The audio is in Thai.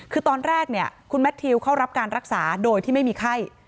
คือตอนแรกเนี่ยคุณแมททิวเข้ารับการรักษาโดยที่ไม่มีไข้